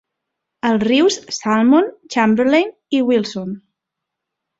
Als rius Salmond, Chamberlain i Wilson.